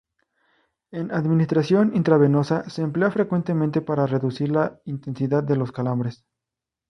En administración intravenosa se emplea frecuentemente para reducir la intensidad de los calambres.